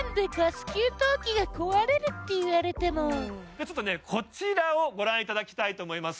でもさあちょっとこちらをご覧いただきたいと思います